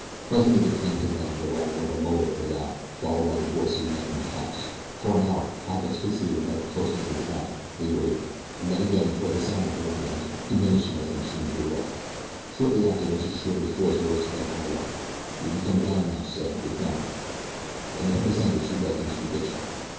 Presently there came to them the rattling of a motor without, followed by the voices of men in the house. For an hour, half asphyxiated by the closeness of the attic, they waited, and then again they heard the sound of the running engine, diminishing as the machine drew away. Shortly after, Mrs. Shorter's voice rose to them from below: "You ken come down now," she said, "they've gone." When they had descended she led them to the kitchen.